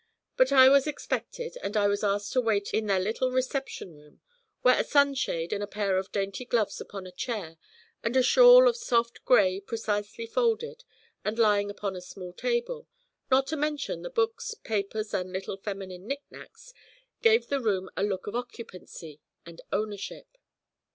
But I was expected, and I was asked to wait in their little reception room, where a sunshade and a pair of dainty gloves upon a chair, and a shawl of soft gray precisely folded and lying upon a small table, not to mention the books, papers, and little feminine knicknacks, gave to the room a look of occupancy and ownership.